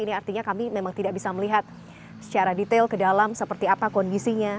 ini artinya kami memang tidak bisa melihat secara detail ke dalam seperti apa kondisinya